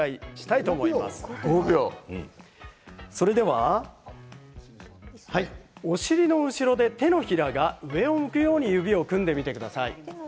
それではお尻の後ろで、手のひらが上を向くように手を組んでみてください。